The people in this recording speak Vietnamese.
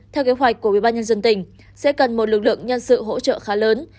theo kế hoạch của ubnd tỉnh sẽ cần một lực lượng nhân sự hỗ trợ khá lớn